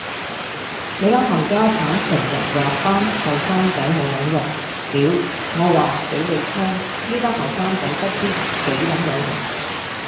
你班冚家剷成日話果班後生仔冇撚用，屌，我話俾你聽呢班後生仔不知幾撚有用